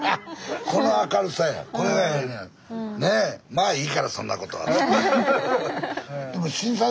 「まあいいからそんなこと」って。